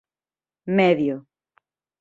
Medio